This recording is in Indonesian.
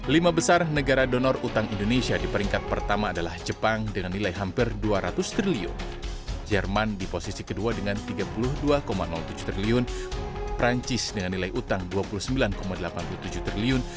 lima besar negara donor utang indonesia di peringkat pertama adalah jepang dengan nilai hampir dua ratus triliun jerman di posisi kedua dengan tiga puluh dua tujuh triliun perancis dengan nilai utang dua puluh sembilan delapan puluh tujuh triliun